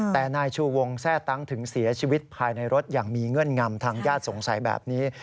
แต่นายชูวงแทร่ตั้งถึงเสียชีวิตภายในรถอย่างมีเงื่อนงำทางญาติสงสัยแบบนี้